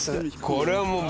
これはもう。